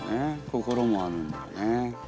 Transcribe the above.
「心」もあるんだよね。